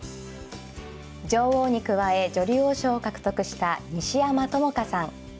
女王に加え女流王将を獲得した西山朋佳さん。